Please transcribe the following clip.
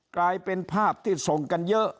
กลายเป็นภาพที่ส่งกันเยอะ